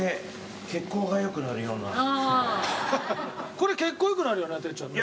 これ血行良くなるよね哲ちゃんね。